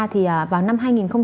thì vào năm hai nghìn một mươi chín